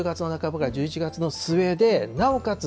１０月の半ばから１１月の末で、なおかつ